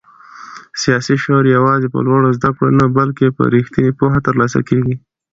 سیاسي شعور یوازې په لوړو زده کړو نه بلکې په رښتینې پوهه ترلاسه کېږي.